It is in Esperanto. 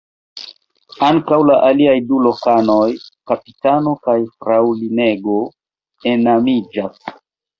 Ankaŭ la aliaj du lokanoj (kapitano kaj fraŭlinego) enamiĝas.